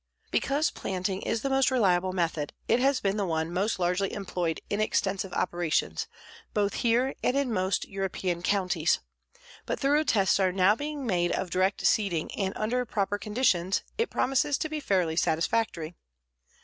Because planting is the most reliable method it has been the one most largely employed in extensive operations, both here and in most European counties, but thorough tests are now being made of direct seeding and under proper conditions it promises to be fairly satisfactory.